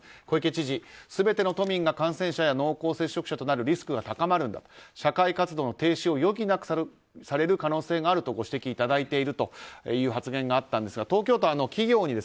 小池知事すべての都民が感染者や濃厚接触者となるリスクが高まるんだと社会活動の停止を余儀なくされる可能性があるとご指摘いただいているという発言があったんですが東京都、